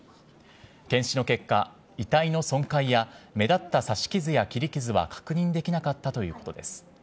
検視の結果、遺体の損壊や目立った刺し傷や切り傷は確認できなかったということです。